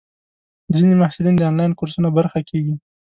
ځینې محصلین د انلاین کورسونو برخه کېږي.